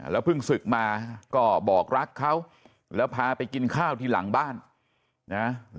เพิ่งศึกมาก็บอกรักเขาแล้วพาไปกินข้าวที่หลังบ้านนะ